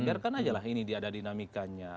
biarkan aja lah ini diada dinamiknya